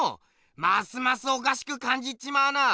ますますおかしく感じちまうな！